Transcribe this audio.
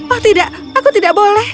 oh tidak aku tidak boleh